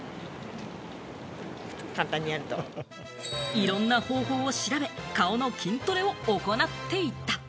いろんな方法を調べ、顔の筋トレを行っていた。